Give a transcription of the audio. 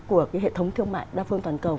của cái hệ thống thương mại đa phương toàn cầu